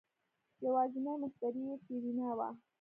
يوازينی مشتري يې سېرېنا وه.